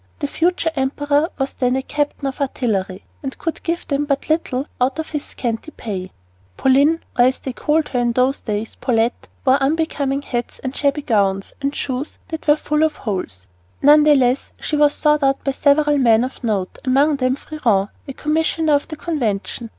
The future emperor was then a captain of artillery and could give them but little out of his scanty pay. Pauline or, as they called her in those days, Paulette wore unbecoming hats and shabby gowns, and shoes that were full of holes. None the less, she was sought out by several men of note, among them Freron, a commissioner of the Convention.